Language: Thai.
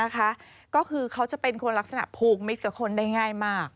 ก็คือเขาจะเป็นคนลักษณะผูกมิตรกับคนได้ง่ายมาก